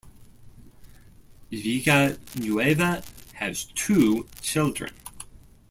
Villanueva has two children.